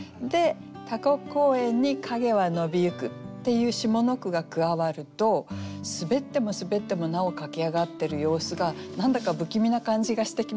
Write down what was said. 「タコ公園に影は伸びゆく」っていう下の句が加わるとすべってもすべってもなお駆け上がってる様子が何だか不気味な感じがしてきませんか？